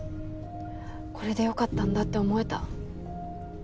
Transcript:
これでよかったんだって思えた。